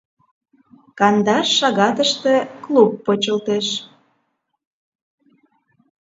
Кандаш шагатыште клуб почылтеш.